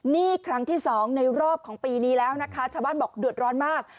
นี่ครั้งที่สองในรอบของปีนี้แล้วนะคะชาวบ้านบอกเดือดร้อนมาก